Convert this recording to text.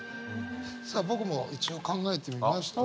さあ僕も一応考えてみました。